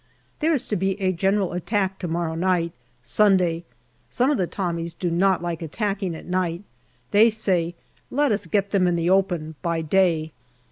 There is to be a general attack to morrow night, Sunday. Some of the Tommies do not like attacking at night ; they say, " Let us get them in the open, by day."